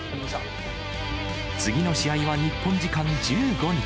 次の試合は日本時間１５日。